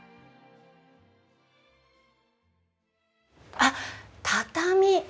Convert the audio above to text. あっ畳！